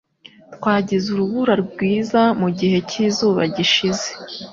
Twagize urubura rwiza mu gihe cyizuba gishize.